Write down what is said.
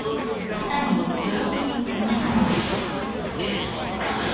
枝につかまれ！